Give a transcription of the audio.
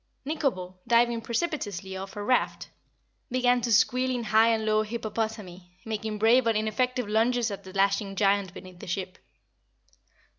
Nikobo, diving precipitously off her raft, began to squeal in high and low hippopotamy, making brave but ineffective lunges at the lashing giant beneath the ship.